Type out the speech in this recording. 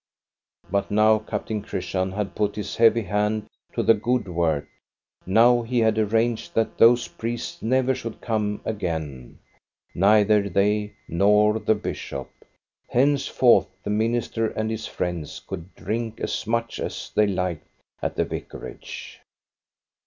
But now Captain Christian had put his heavy hand to the good work ; now he had arranged that those priests never should come agaio, neither they nor the bishop. Henceforth the minister and his friends could drink as much as they liked at the vicarage.